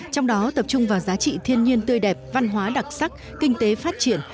trong đó tập trung vào giá trị thiên nhiên tươi đẹp văn hóa đặc sắc kinh tế phát triển